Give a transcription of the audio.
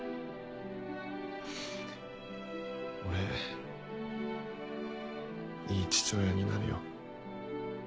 俺いい父親になるよ。